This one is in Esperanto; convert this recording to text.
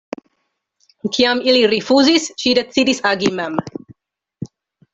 Kiam ili rifuzis, ŝi decidis agi mem.